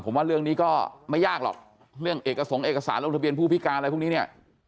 ผมว่าเรื่องนี้ก็ไม่ยากหรอกเรื่องเอกสงค์เอกสารลงทะเบียนผู้พิการอะไรพวกนี้เนี่ย